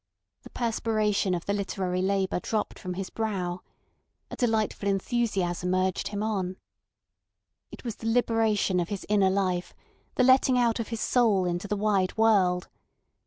The perspiration of the literary labour dropped from his brow. A delightful enthusiasm urged him on. It was the liberation of his inner life, the letting out of his soul into the wide world.